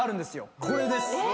これです。